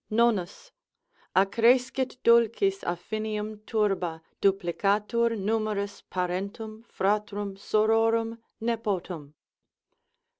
—9. Accrescit dulcis affinium turba, duplicatur numerus parentum, fratrum, sororum, nepotum.